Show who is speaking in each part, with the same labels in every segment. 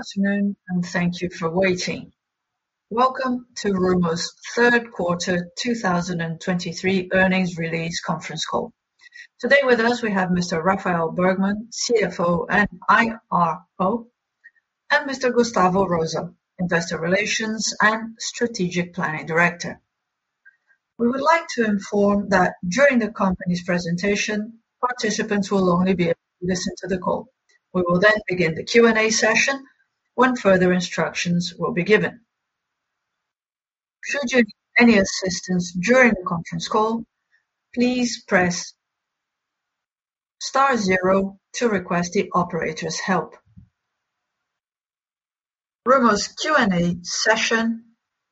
Speaker 1: Good afternoon, and thank you for waiting. Welcome to Rumo's Third Quarter 2023 Earnings Release Conference Call. Today with us, we have Mr. Rafael Bergman, CFO and IRO, and Mr. Gustavo da Rosa, Investor Relations and Strategic Planning Director. We would like to inform that during the company's presentation, participants will only be able to listen to the call. We will then begin the Q&A session when further instructions will be given. Should you need any assistance during the conference call, please press star zero to request the operator's help. Rumo's Q&A session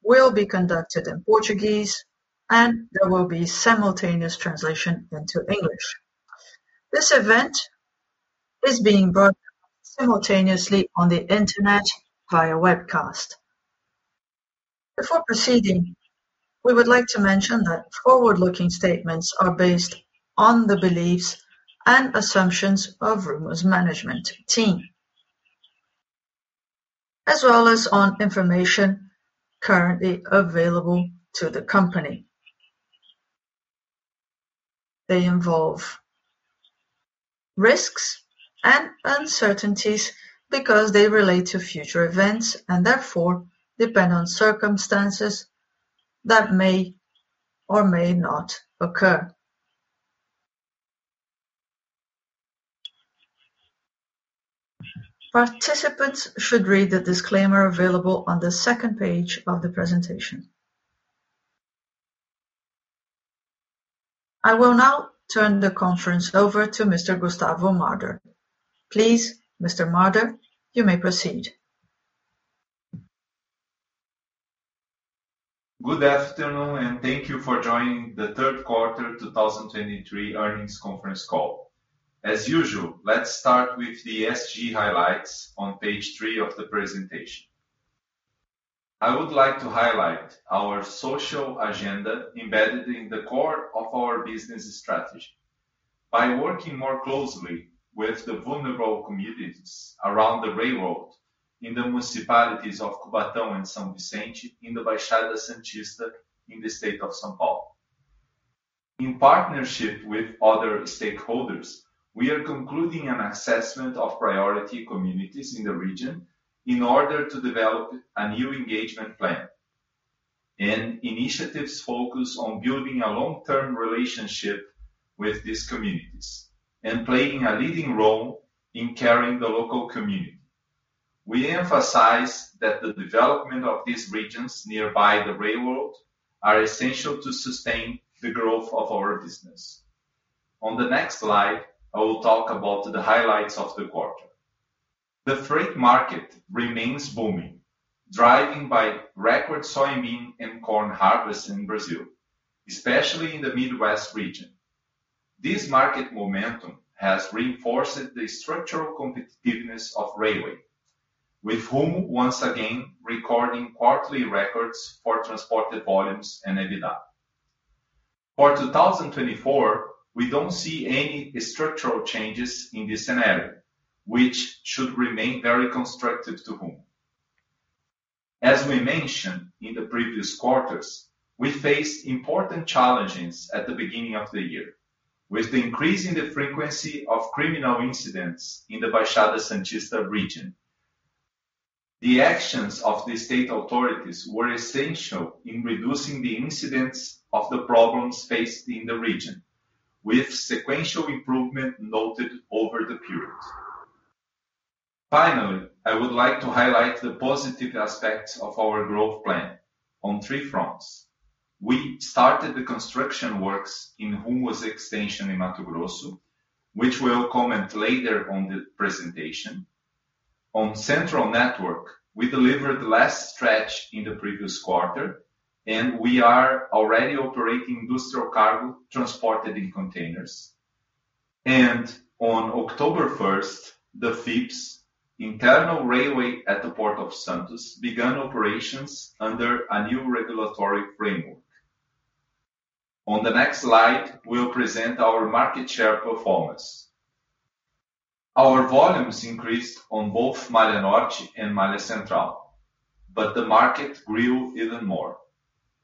Speaker 1: will be conducted in Portuguese, and there will be simultaneous translation into English. This event is being broadcast simultaneously on the internet via webcast. Before proceeding, we would like to mention that forward-looking statements are based on the beliefs and assumptions of Rumo's management team, as well as on information currently available to the company. They involve risks and uncertainties because they relate to future events, and therefore, depend on circumstances that may or may not occur. Participants should read the disclaimer available on the second page of the presentation. I will now turn the conference over to Mr. Gustavo da Rosa. Please, Mr. da Rosa, you may proceed.
Speaker 2: Good afternoon, and thank you for joining the Q3 2023 earnings conference call. As usual, let's start with the ESG highlights on page three of the presentation. I would like to highlight our social agenda embedded in the core of our business strategy. By working more closely with the vulnerable communities around the railroad in the municipalities of Cubatão and São Vicente, in the Baixada Santista, in the state of São Paulo. In partnership with other stakeholders, we are concluding an assessment of priority communities in the region in order to develop a new engagement plan and initiatives focused on building a long-term relationship with these communities and playing a leading role in carrying the local community. We emphasize that the development of these regions nearby the railroad are essential to sustain the growth of our business. On the next slide, I will talk about the highlights of the quarter. The freight market remains booming, driving by record soybean and corn harvest in Brazil, especially in the Midwest region. This market momentum has reinforced the structural competitiveness of railway, with Rumo once again recording quarterly records for transported volumes and EBITDA. For 2024, we don't see any structural changes in this scenario, which should remain very constructive to Rumo. As we mentioned in the previous quarters, we faced important challenges at the beginning of the year, with the increase in the frequency of criminal incidents in the Baixada Santista region. The actions of the state authorities were essential in reducing the incidents of the problems faced in the region, with sequential improvement noted over the period. Finally, I would like to highlight the positive aspects of our growth plan on three fronts. We started the construction works in Rumo's extension in Mato Grosso, which we'll comment later on the presentation. On central network, we delivered the last stretch in the previous quarter, and we are already operating industrial cargo transported in containers. On October first, the FIPS, internal railway at the Port of Santos, began operations under a new regulatory framework. On the next slide, we'll present our market share performance. Our volumes increased on both Malha Norte and Malha Central, but the market grew even more,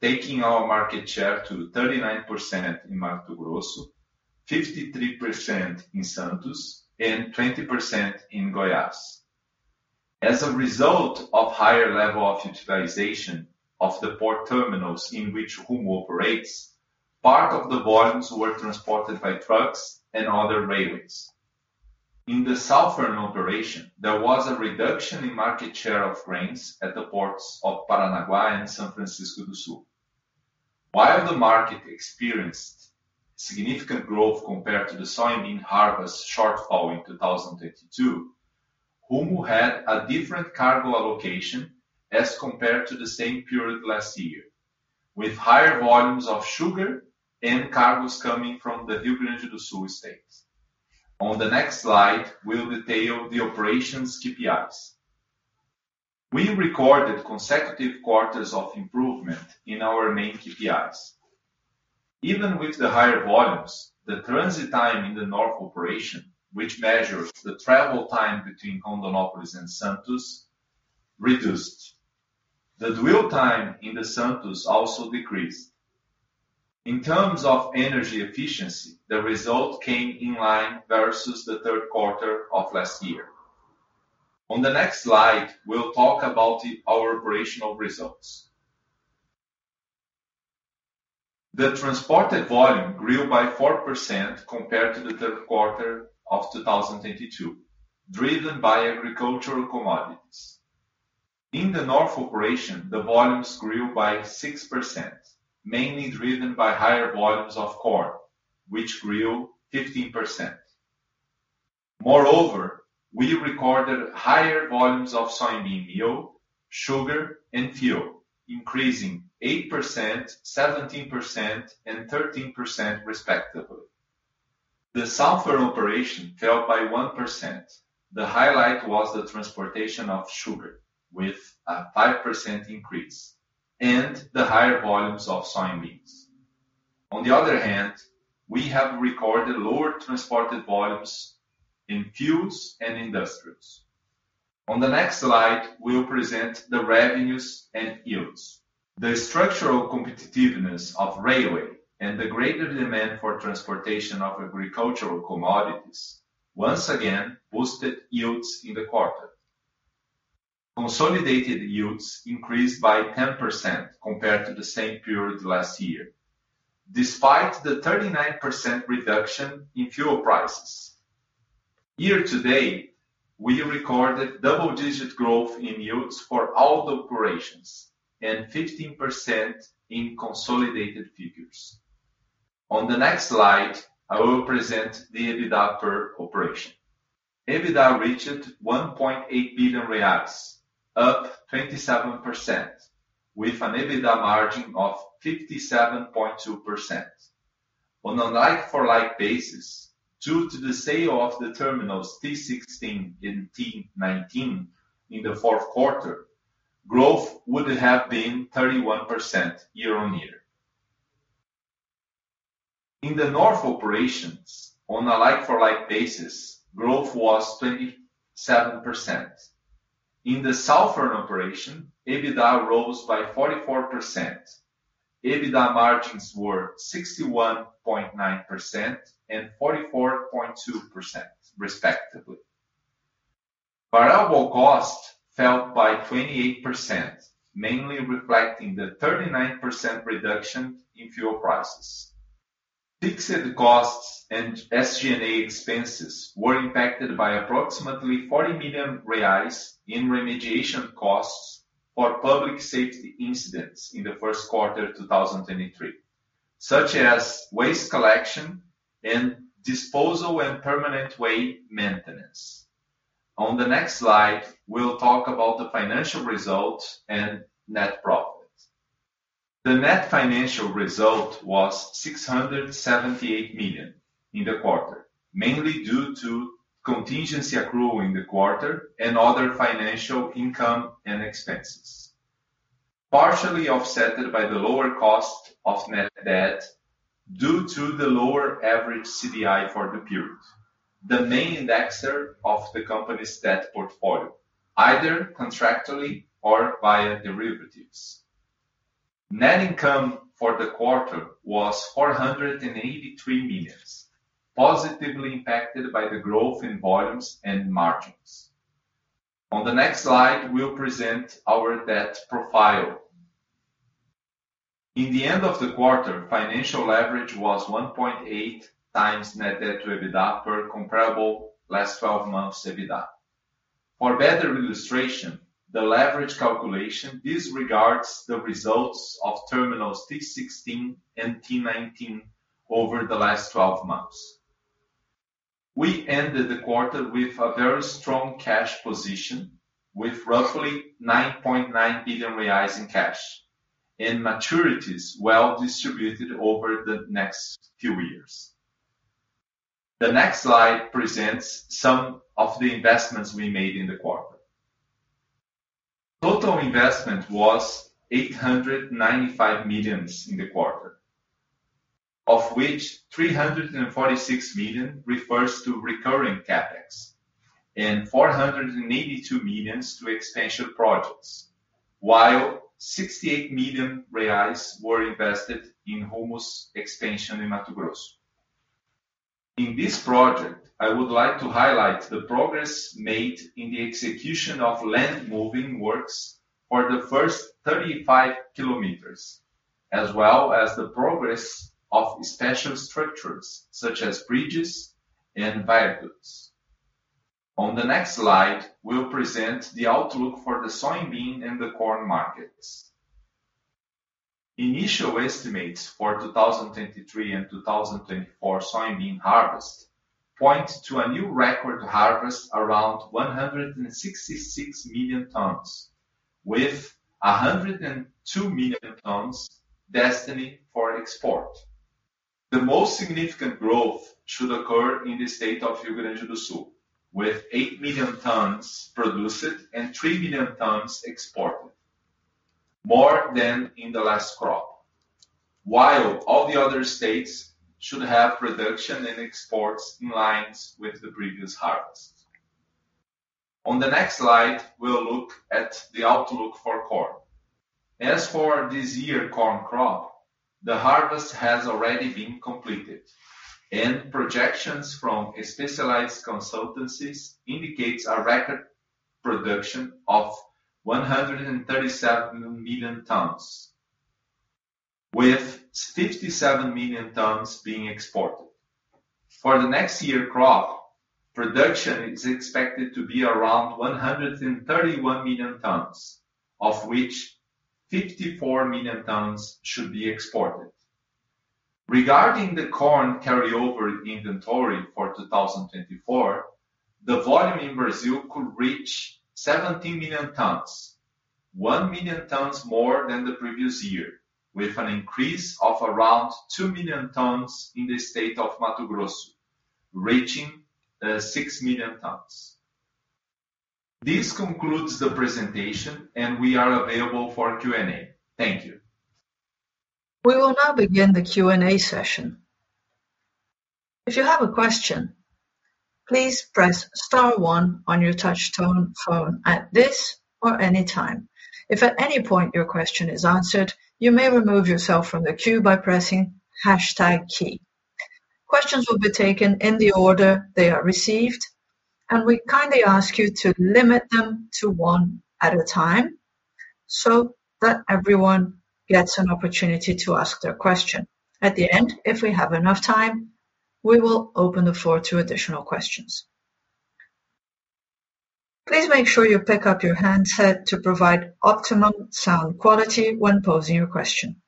Speaker 2: taking our market share to 39% in Mato Grosso, 53% in Santos, and 20% in Goiás. As a result of higher level of utilization of the port terminals in which Rumo operates, part of the volumes were transported by trucks and other railways. In the southern operation, there was a reduction in market share of grains at the ports of Paranaguá and São Francisco do Sul. While the market experienced significant growth compared to the soybean harvest shortfall in 2022, Rumo had a different cargo allocation as compared to the same period last year, with higher volumes of sugar and cargos coming from the Rio Grande do Sul states. On the next slide, we'll detail the operations KPIs. We recorded consecutive quarters of improvement in our main KPIs. Even with the higher volumes, the transit time in the north operation, which measures the travel time between Rondonópolis and Santos, reduced. The dwell time in the Santos also decreased. In terms of energy efficiency, the result came in line versus the third quarter of last year. On the next slide, we'll talk about the, our operational results. The transported volume grew by 4% compared to the third quarter of 2022, driven by agricultural commodities. In the north operation, the volumes grew by 6%, mainly driven by higher volumes of corn, which grew 15%. Moreover, we recorded higher volumes of soybean meal, sugar, and fuel, increasing 8%, 17%, and 13%, respectively. The southern operation fell by 1%. The highlight was the transportation of sugar with a 5% increase and the higher volumes of soybeans. On the other hand, we have recorded lower transported volumes in fuels and industrials. On the next slide, we'll present the revenues and yields. The structural competitiveness of railway and the greater demand for transportation of agricultural commodities once again boosted yields in the quarter. Consolidated yields increased by 10% compared to the same period last year, despite the 39% reduction in fuel prices. Year to date, we recorded double-digit growth in yields for all the operations and 15% in consolidated figures. On the next slide, I will present the EBITDA per operation. EBITDA reached 1.8 billion reais, up 27%, with an EBITDA margin of 57.2%. On a like-for-like basis, due to the sale of the terminals T16 and T19 in the fourth quarter, growth would have been 31% year-on-year. In the north operations on a like-for-like basis, growth was 27%. In the southern operation, EBITDA rose by 44%. EBITDA margins were 61.9% and 44.2%, respectively. Variable cost fell by 28%, mainly reflecting the 39% reduction in fuel prices. Fixed costs and SG&A expenses were impacted by approximately 40 million reais in remediation costs for public safety incidents in the first quarter 2023, such as waste collection and disposal and permanent way maintenance. On the next slide, we'll talk about the financial results and net profit. The net financial result was 678 million in the quarter, mainly due to contingency accrual in the quarter and other financial income and expenses, partially offset by the lower cost of net debt due to the lower average CDI for the period. The main indexer of the company's debt portfolio, either contractually or via derivatives. Net income for the quarter was 483 million, positively impacted by the growth in volumes and margins. On the next slide, we'll present our debt profile. In the end of the quarter, financial leverage was 1.8x net debt to EBITDA per comparable last twelve months EBITDA. For better illustration, the leverage calculation disregards the results of terminals T16 and T19 over the last twelve months. We ended the quarter with a very strong cash position, with roughly 9.9 billion reais in cash, and maturities well distributed over the next few years. The next slide presents some of the investments we made in the quarter. Total investment was 895 million in the quarter, of which 346 million refers to recurring CapEx and 482 million to expansion projects, while 68 million reais were invested in Rumo's expansion in Mato Grosso. In this project, I would like to highlight the progress made in the execution of land moving works for the first 35 km, as well as the progress of special structures such as bridges and viaducts. On the next slide, we'll present the outlook for the soybean and the corn markets. Initial estimates for 2023 and 2024 soybean harvest point to a new record harvest around 166 million tons, with 102 million tons destined for export. The most significant growth should occur in the state of Rio Grande do Sul, with 8 million tons produced and 3 million tons exported, more than in the last crop. While all the other states should have reduction in exports in line with the previous harvest. On the next slide, we'll look at the outlook for corn. As for this year corn crop, the harvest has already been completed, and projections from specialized consultancies indicates a record production of 137 million tons, with fifty-seven million tons being exported. For the next year crop, production is expected to be around 131 million tons, of which 54 million tons should be exported. Regarding the corn carryover inventory for 2024, the volume in Brazil could reach 17 million tons, 1 million tons more than the previous year, with an increase of around 2 million tons in the state of Mato Grosso, reaching 6 million tons. This concludes the presentation, and we are available for Q&A. Thank you.
Speaker 1: We will now begin the Q&A session. If you have a question, please press star one on your touch tone phone at this or any time. If at any point your question is answered, you may remove yourself from the queue by pressing hashtag key. Questions will be taken in the order they are received, and we kindly ask you to limit them to one at a time, so that everyone gets an opportunity to ask their question. At the end, if we have enough time, we will open the floor to additional questions. Please make sure you pick up your handset to provide optimal sound quality when posing your question.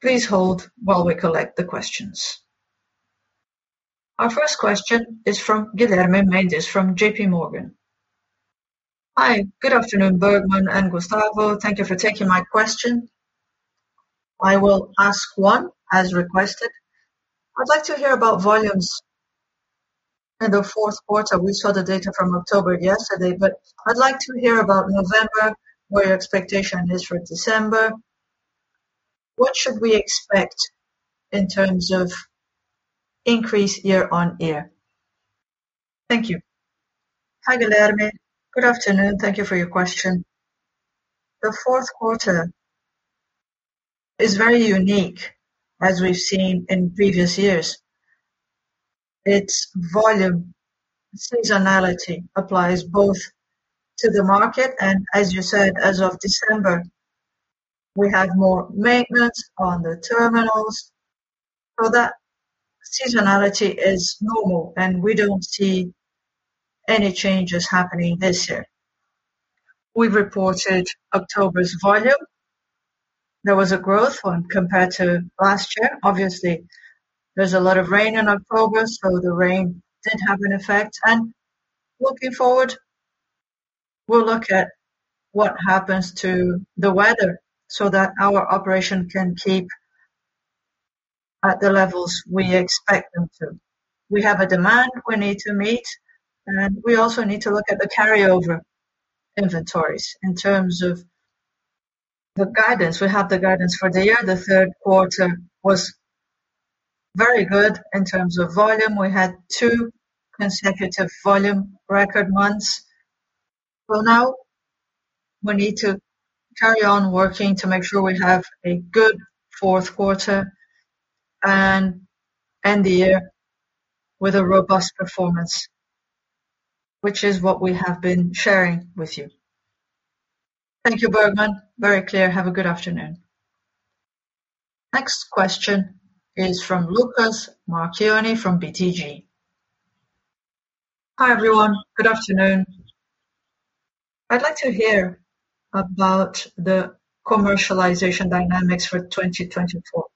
Speaker 1: Please hold while we collect the questions. Our first question is from Guilherme Mendes, from JPMorgan.
Speaker 3: Hi, good afternoon, Bergman and Gustavo. Thank you for taking my question. I will ask one, as requested. I'd like to hear about volumes in the fourth quarter. We saw the data from October yesterday, but I'd like to hear about November, what your expectation is for December. What should we expect in terms of increase year-on-year? Thank you.
Speaker 4: Hi, Guilherme. Good afternoon. Thank you for your question. The fourth quarter is very unique, as we've seen in previous years. Its volume seasonality applies both to the market, and as you said, as of December, we have more maintenance on the terminals. So that seasonality is normal, and we don't see any changes happening this year. We've reported October's volume. There was a growth when compared to last year. Obviously, there's a lot of rain in October, so the rain did have an effect. Looking forward, we'll look at what happens to the weather so that our operation can keep at the levels we expect them to. We have a demand we need to meet, and we also need to look at the carryover inventories in terms of the guidance. We have the guidance for the year. The third quarter was very good in terms of volume. We had two consecutive volume record months. Well, now we need to carry on working to make sure we have a good fourth quarter and end the year with a robust performance, which is what we have been sharing with you.
Speaker 3: Thank you, Bergman. Very clear. Have a good afternoon.
Speaker 1: Next question is from Lucas Marquiori from BTG.
Speaker 5: Hi, everyone. Good afternoon. I'd like to hear about the commercialization dynamics for 2024.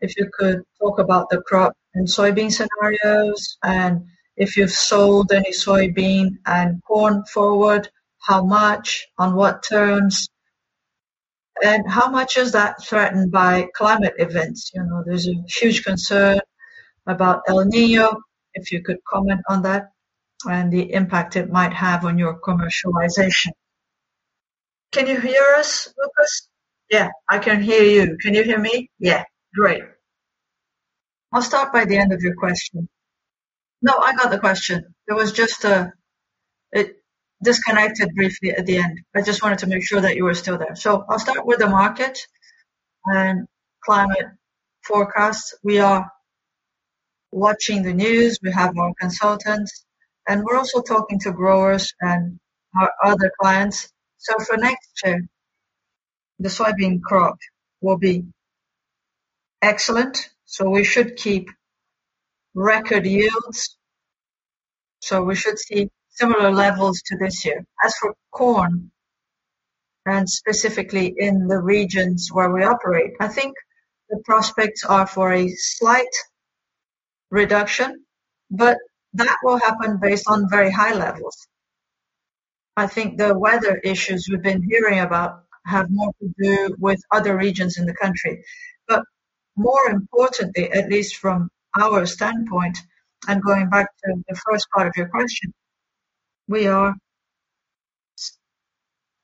Speaker 5: If you could talk about the crop and soybean scenarios, and if you've sold any soybean and corn forward, how much? On what terms? And how much is that threatened by climate events? You know, there's a huge concern about El Niño. If you could comment on that and the impact it might have on your commercialization.
Speaker 4: Can you hear us, Lucas?
Speaker 5: Yeah, I can hear you. Can you hear me?
Speaker 4: Yeah. Great. I'll start by the end of your question. No, I got the question. It was just, It disconnected briefly at the end. I just wanted to make sure that you were still there. So I'll start with the market and climate forecast. We are watching the news, we have more consultants, and we're also talking to growers and our other clients. So for next year, the soybean crop will be excellent, so we should keep record yields. So we should see similar levels to this year. As for corn, and specifically in the regions where we operate, I think the prospects are for a slight reduction, but that will happen based on very high levels... I think the weather issues we've been hearing about have more to do with other regions in the country. But more importantly, at least from our standpoint, and going back to the first part of your question, we are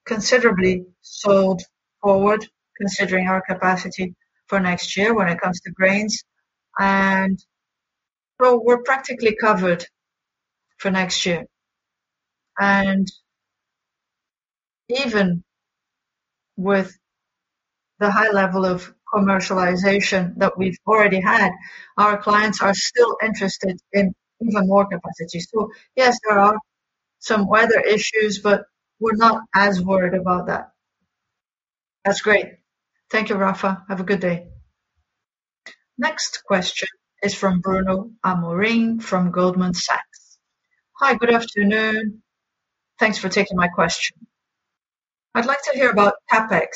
Speaker 4: considerably sold forward, considering our capacity for next year when it comes to grains. And well, we're practically covered for next year. And even with the high level of commercialization that we've already had, our clients are still interested in even more capacity. So yes, there are some weather issues, but we're not as worried about that.
Speaker 5: That's great. Thank you, Rafa. Have a good day.
Speaker 1: Next question is from Bruno Amorim, from Goldman Sachs.
Speaker 6: Hi, good afternoon. Thanks for taking my question. I'd like to hear about CapEx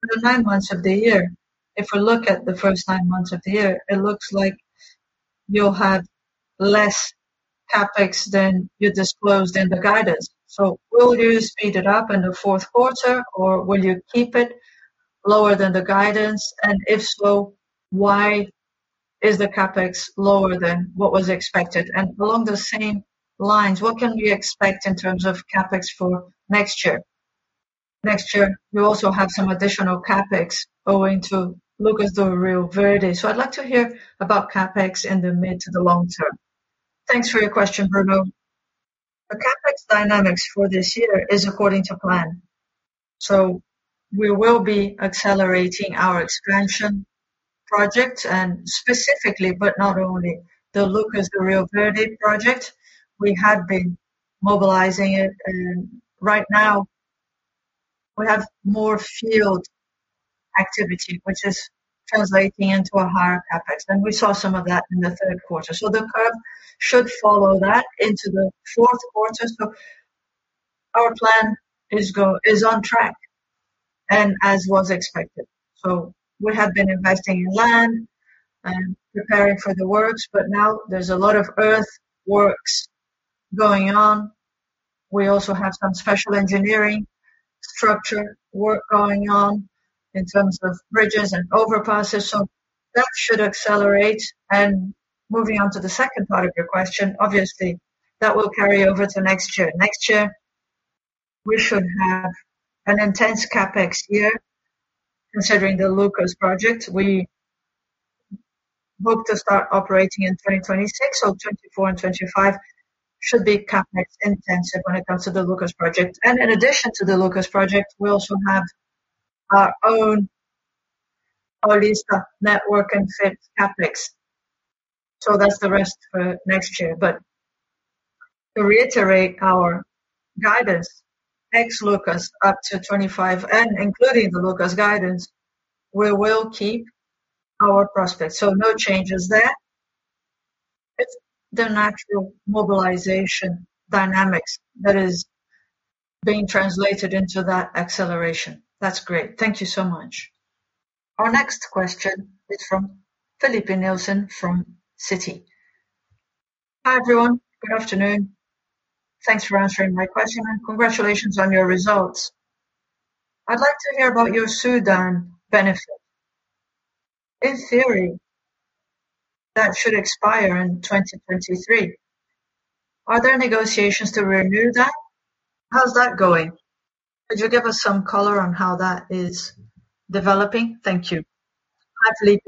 Speaker 6: for the nine months of the year. If we look at the first nine months of the year, it looks like you'll have less CapEx than you disclosed in the guidance. So will you speed it up in the fourth quarter, or will you keep it lower than the guidance? And if so, why is the CapEx lower than what was expected? And along the same lines, what can we expect in terms of CapEx for next year? Next year, we also have some additional CapEx owing to Lucas do Rio Verde. So I'd like to hear about CapEx in the mid to the long term.
Speaker 4: Thanks for your question, Bruno. The CapEx dynamics for this year is according to plan. So we will be accelerating our expansion project and specifically, but not only the Lucas do Rio Verde project. We have been mobilizing it, and right now, we have more field activity, which is translating into a higher CapEx, and we saw some of that in the third quarter. So the curve should follow that into the fourth quarter. So our plan is on track and as was expected. So we have been investing in land and preparing for the works, but now there's a lot of earth works going on. We also have some special engineering structure work going on in terms of bridges and overpasses, so that should accelerate. And moving on to the second part of your question, obviously, that will carry over to next year. Next year, we should have an intense CapEx year considering the Lucas project. We hope to start operating in 2026, so 2024 and 2025 should be CapEx intensive when it comes to the Lucas project. And in addition to the Lucas project, we also have our own Paulista network and CapEx. So that's the rest for next year. But to reiterate, our guidance, ex Lucas, up to 2025 and including the Lucas guidance, we will keep our prospects. So no changes there. It's the natural mobilization dynamics that is being translated into that acceleration.
Speaker 6: That's great. Thank you so much.
Speaker 1: Our next question is from Filipe Nielsen from Citi.
Speaker 7: Hi, everyone. Good afternoon. Thanks for answering my question, and congratulations on your results. I'd like to hear about your Sudene benefit. In theory, that should expire in 2023. Are there negotiations to renew that? How's that going? Could you give us some color on how that is developing? Thank you.
Speaker 4: Hi, Filipe.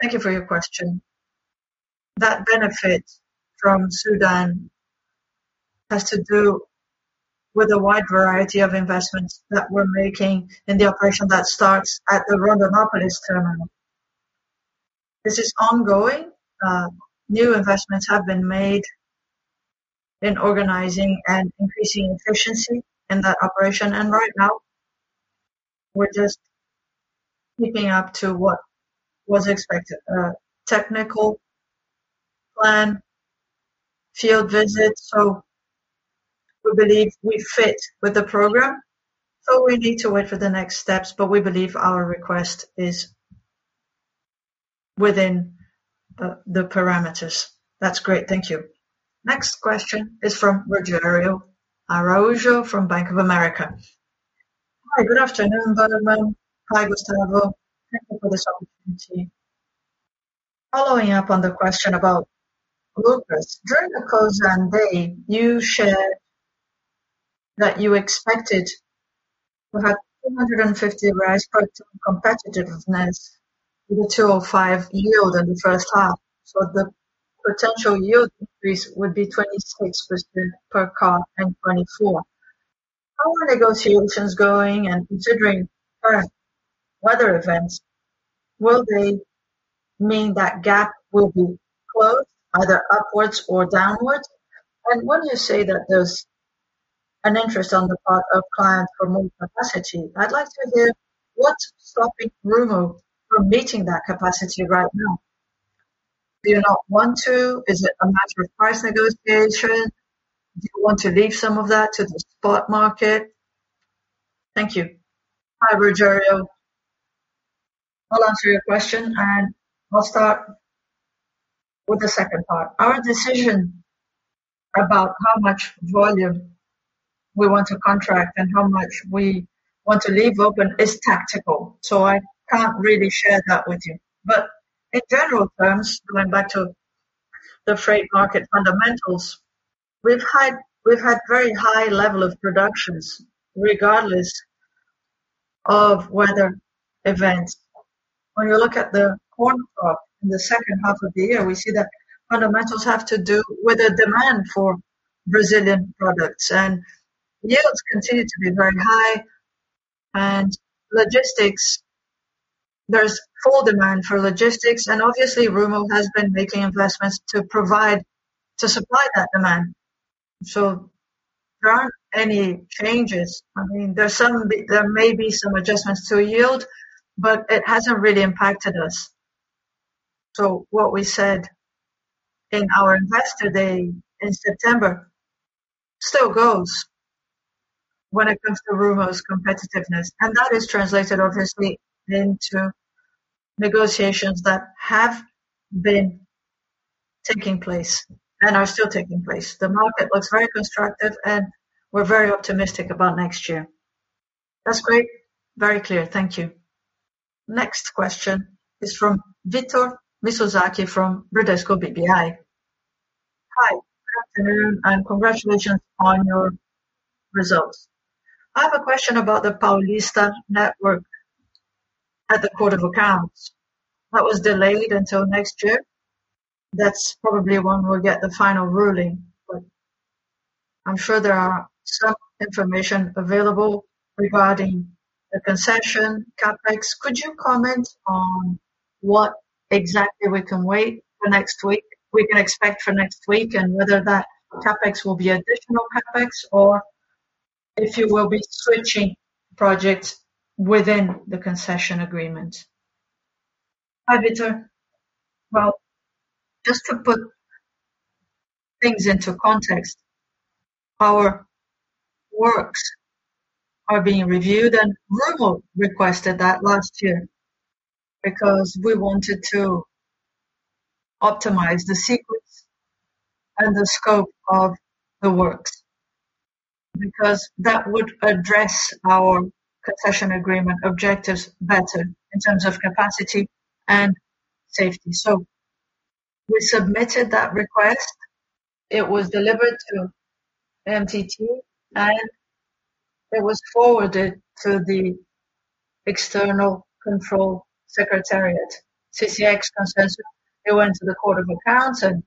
Speaker 4: Thank you for your question. That benefit from Sudene has to do with a wide variety of investments that we're making in the operation that starts at the Rondonópolis terminal. This is ongoing. New investments have been made in organizing and increasing efficiency in that operation, and right now we're just keeping up to what was expected. Technical plan, field visits, so we believe we fit with the program. So we need to wait for the next steps, but we believe our request is within the, the parameters.
Speaker 7: That's great. Thank you.
Speaker 1: Next question is from Rogério Araújo from Bank of America.
Speaker 8: Hi, good afternoon, Bergman. Hi, Gustavo. Thank you for this opportunity. Following up on the question about Lucas, during the Cosan day, you shared that you expected to have 250 RTK per car productivity with a 2.5 yield in the first half. So the potential yield increase would be 26% per car in 2024. How are negotiations going? And considering current weather events, will they mean that gap will be closed either upwards or downwards? And when you say that there's an interest on the part of clients for more capacity, I'd like to hear what's stopping Bruno from meeting that capacity right now? Do you not want to? Is it a matter of price negotiation? Do you want to leave some of that to the spot market? Thank you.
Speaker 4: Hi, Rogerio.... I'll answer your question, and I'll start with the second part. Our decision about how much volume we want to contract and how much we want to leave open is tactical, so I can't really share that with you. But in general terms, going back to the freight market fundamentals, we've had very high level of productions, regardless of weather events. When you look at the corn crop in the second half of the year, we see that fundamentals have to do with the demand for Brazilian products, and yields continue to be very high. And logistics, there's full demand for logistics, and obviously, Rumo has been making investments to provide to supply that demand. So there aren't any changes. I mean, there may be some adjustments to yield, but it hasn't really impacted us. So what we said in our Investor Day in September still goes when it comes to Rumo's competitiveness, and that is translated obviously into negotiations that have been taking place and are still taking place. The market looks very constructive, and we're very optimistic about next year.
Speaker 8: That's great. Very clear. Thank you.
Speaker 1: Next question is from Victor Mizusaki, from Bradesco BBI.
Speaker 9: Hi, good afternoon, and congratulations on your results. I have a question about the Paulista network at the Court of Accounts that was delayed until next year. That's probably when we'll get the final ruling, but I'm sure there are some information available regarding the concession CapEx. Could you comment on what exactly we can wait for next week, we can expect for next week, and whether that CapEx will be additional CapEx or if you will be switching projects within the concession agreement?
Speaker 4: Hi, Victor. Well, just to put things into context, our works are being reviewed, and Rumo requested that last year because we wanted to optimize the sequence and the scope of the works, because that would address our concession agreement objectives better in terms of capacity and safety. So we submitted that request. It was delivered to MT, and it was forwarded to the External Control Secretariat, Secex Consenso. It went to the Court of Accounts, and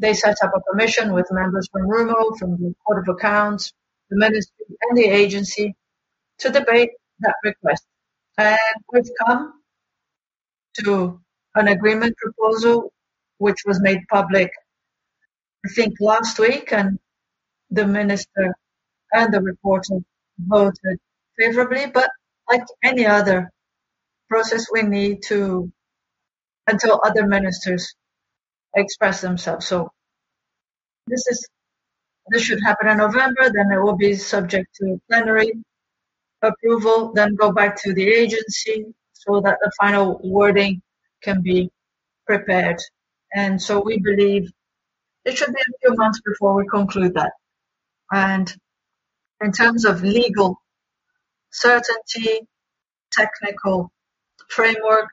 Speaker 4: they set up a commission with members from Rumo, from the Court of Accounts, the ministry, and the agency to debate that request. And we've come to an agreement proposal which was made public, I think, last week, and the minister and the reports voted favorably. But like any other process, we need to... until other ministers express themselves. So this should happen in November, then it will be subject to plenary approval, then go back to the agency so that the final wording can be prepared. So we believe it should be a few months before we conclude that. In terms of legal certainty, technical framework,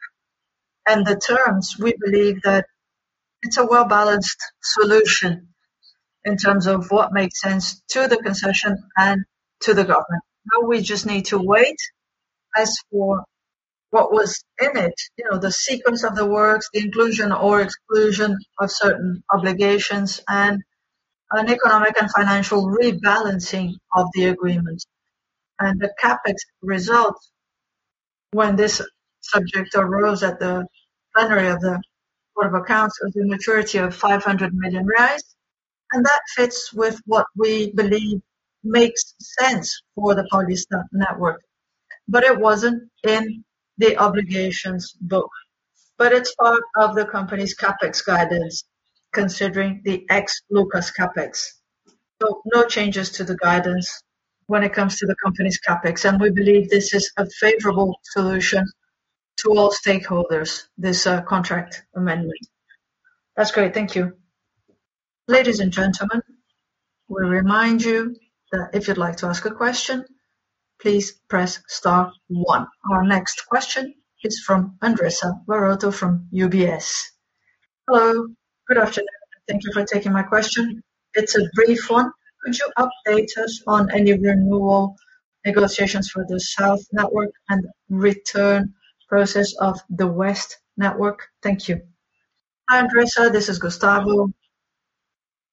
Speaker 4: and the terms, we believe that it's a well-balanced solution in terms of what makes sense to the concession and to the government. Now, we just need to wait. As for what was in it, you know, the sequence of the works, the inclusion or exclusion of certain obligations, and an economic and financial rebalancing of the agreement. The CapEx results when this subject arose at the plenary of the Court of Accounts was a maturity of 500 million reais, and that fits with what we believe makes sense for the Paulista network. But it wasn't in the obligations book, but it's part of the company's CapEx guidance, considering the ex-Lucas CapEx. So no changes to the guidance when it comes to the company's CapEx, and we believe this is a favorable solution to all stakeholders, this, contract amendment.
Speaker 9: That's great. Thank you.
Speaker 1: Ladies and gentlemen, we remind you that if you'd like to ask a question, please press star one. Our next question is from Andressa Varotto, from UBS.
Speaker 10: Hello, good afternoon. Thank you for taking my question. It's a brief one. Could you update us on any renewal negotiations for the South network and return process of the West network? Thank you.
Speaker 2: Hi, Andressa, this is Gustavo.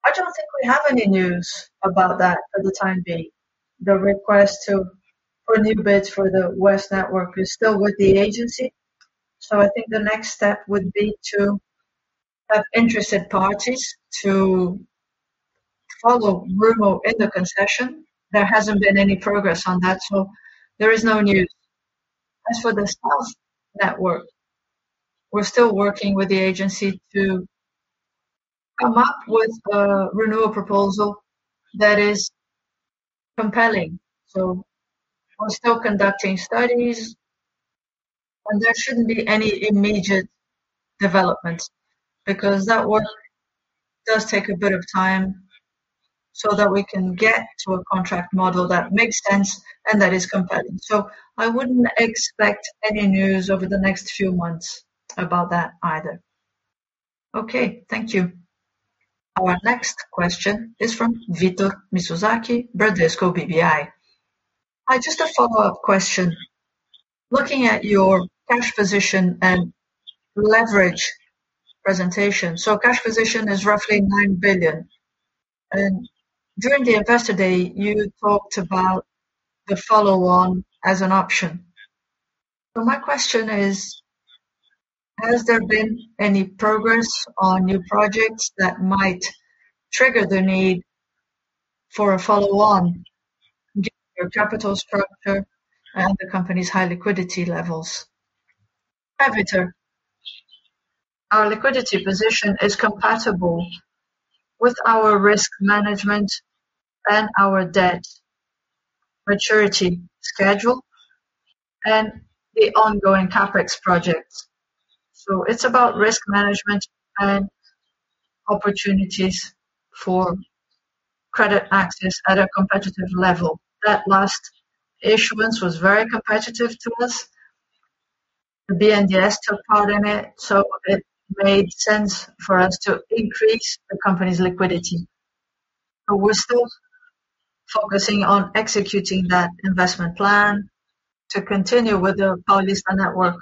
Speaker 2: I don't think we have any news about that for the time being. The request to renew bids for the West network is still with the agency, so I think the next step would be to have interested parties to follow Rumo in the concession. There hasn't been any progress on that, so there is no news. As for the South network, we're still working with the agency to come up with a renewal proposal that is compelling. So we're still conducting studies, and there shouldn't be any immediate development, because that work does take a bit of time, so that we can get to a contract model that makes sense and that is compelling. So I wouldn't expect any news over the next few months about that either.
Speaker 10: Okay, thank you.
Speaker 1: Our next question is from Victor Mizusaki, Bradesco BBI.
Speaker 9: Just a follow-up question. Looking at your cash position and leverage presentation, so cash position is roughly 9 billion, and during the investor day, you talked about the follow-on as an option. So my question is: has there been any progress on new projects that might trigger the need for a follow-on, given your capital structure and the company's high liquidity levels?
Speaker 4: Hi Victor, our liquidity position is compatible with our risk management and our debt maturity schedule and the ongoing CapEx projects. So it's about risk management and opportunities for credit access at a competitive level. That last issuance was very competitive to us. The BNDES took part in it, so it made sense for us to increase the company's liquidity. But we're still focusing on executing that investment plan to continue with the Paulista network,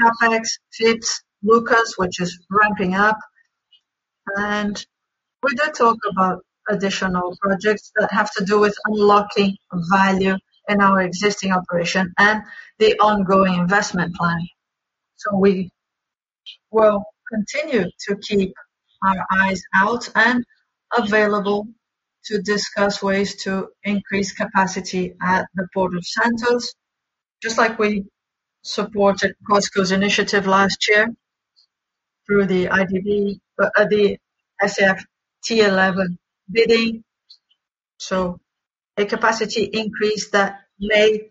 Speaker 4: CapEx, FIPS, Lucas, which is ramping up. And we did talk about additional projects that have to do with unlocking value in our existing operation and the ongoing investment plan. So we will continue to keep our eyes out and available to discuss ways to increase capacity at the Port of Santos, just like we supported Cosan's initiative last year through the IDB, the STS11 bidding. So a capacity increase that may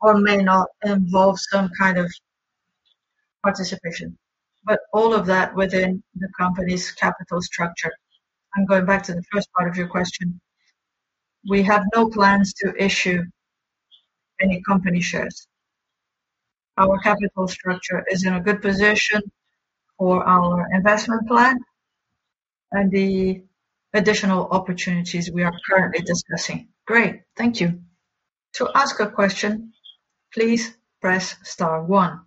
Speaker 4: or may not involve some kind of participation, but all of that within the company's capital structure. I'm going back to the first part of your question. We have no plans to issue any company shares. Our capital structure is in a good position for our investment plan and the additional opportunities we are currently discussing.
Speaker 9: Great, thank you.
Speaker 1: To ask a question, please press star one.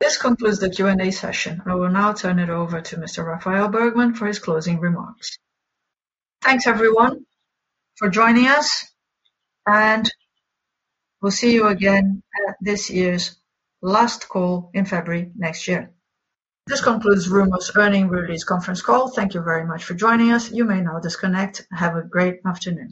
Speaker 1: This concludes the Q&A session. I will now turn it over to Mr. Rafael Bergman for his closing remarks.
Speaker 4: Thanks, everyone, for joining us, and we'll see you again at this year's last call in February next year. This concludes Rumo's Earnings Release Conference Call. Thank you very much for joining us. You may now disconnect. Have a great afternoon.